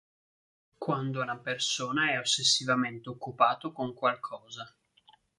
Quando una persona è ossessivamente occupato con qualcosa.